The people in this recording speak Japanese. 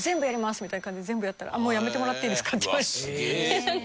みたいな感じで全部やったら「もうやめてもらっていいですか？」って言われて。